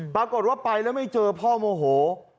ปรากฏว่าไปแล้วไม่เจอพ่อโมโห